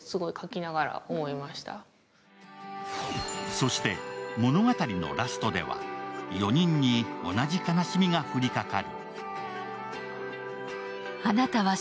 そして物語のラストでは４人に同じ悲しみが振り返る。